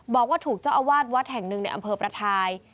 บอกว่าถูกเจ้าอาวาสวัดแห่งหนึ่งในอำเภอประทาย